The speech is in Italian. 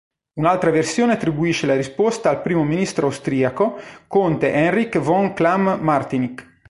Un'altra versione attribuisce la risposta al primo ministro austriaco conte Heinrich von Clam-Martinic.